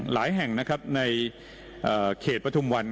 หลายแห่งในเขตปฐุมวัน